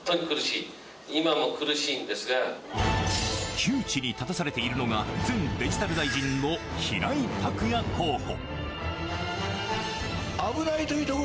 窮地に立たされているのが前デジタル大臣の平井卓也候補。